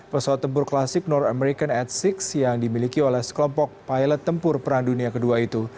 pesawat tempur klasik nort american f enam yang dimiliki oleh sekelompok pilot tempur perang dunia ii itu